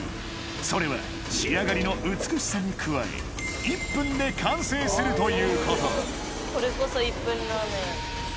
それは仕上がりの美しさに加え１分で完成するということこれこそ１分ラーメン。